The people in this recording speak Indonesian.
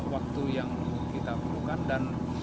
waktu yang kita perlukan dan